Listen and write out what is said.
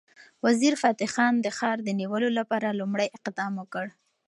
وزیرفتح خان د ښار د نیولو لپاره لومړی اقدام وکړ.